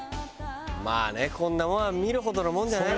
まあねこんなものは見るほどのものじゃない。